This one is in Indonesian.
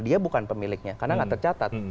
dia bukan pemiliknya karena nggak tercatat